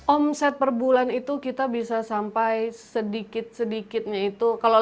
omset per bulan itu kita bisa sampai sedikit sedikitnya itu